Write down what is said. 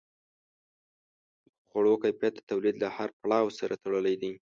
د خوړو کیفیت د تولید له هر پړاو سره تړلی دی.